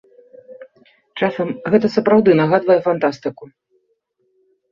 Часам гэта сапраўды нагадвае фантастыку.